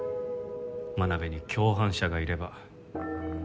真鍋に共犯者がいれば。